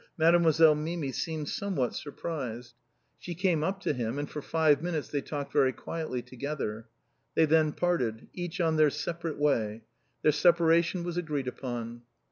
Mademoiselle Mimi seemed somewhat surprised. She came up to him, and for five minutes they talked very quietly together. They then parted, each on their separate way. Their separation was agreed upon.